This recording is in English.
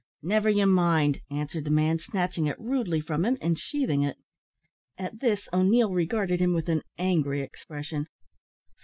"Never you mind," answered the man, snatching it rudely from him, and sheathing it. At this O'Neil regarded him with an angry expression.